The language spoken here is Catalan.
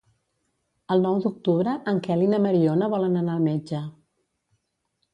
El nou d'octubre en Quel i na Mariona volen anar al metge.